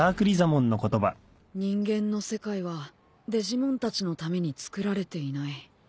人間の世界はデジモンたちのためにつくられていない。